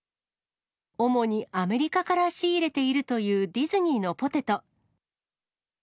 主にアメリカから仕入れているというディズニーのポテト。